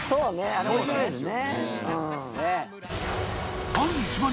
あれ面白いですよね。